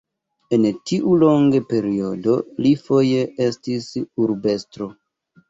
En tiu longe periodo li foje estis urbestro.